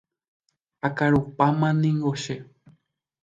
akarupámaniko che.